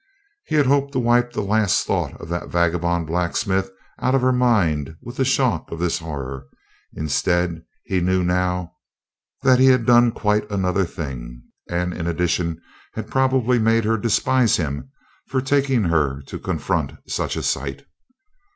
He had hoped to wipe the last thought of that vagabond blacksmith out of her mind with the shock of this horror. Instead, he knew now that he had done quite another thing. And in addition he had probably made her despise him for taking her to confront such a sight.